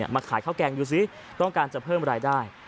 มาขายข้าวแกงดูสิต้องการจะเพิ่มรายได้